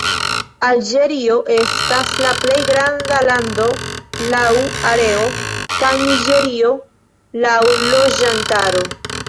Alĝerio estas la plej granda lando laŭ areo, kaj Niĝerio laŭ loĝantaro.